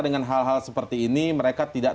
dengan hal hal seperti ini mereka bisa berpengalaman